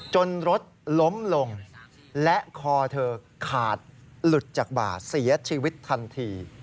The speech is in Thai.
จนรถล้มลงและคอเธอขาดหลุดจากบ่าเสียชีวิตทันที